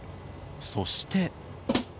そして。